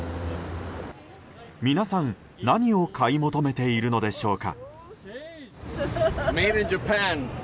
皆さん、何を買い求めているのでしょうか。